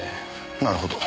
なるほど。